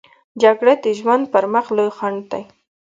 جګړه د ژوند پر مخ لوی خنډ دی